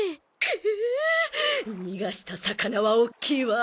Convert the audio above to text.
くう逃がした魚は大きいわ。